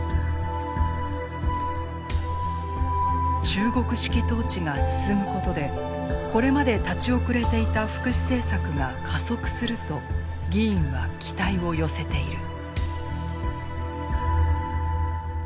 中国式統治が進むことでこれまで立ち遅れていた福祉政策が加速すると議員は期待を寄せている。